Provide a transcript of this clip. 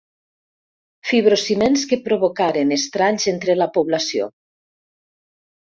Fibrociments que provocaren estralls entre la població.